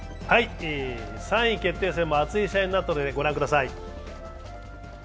３位決定戦も熱い試合になったのでご覧ください。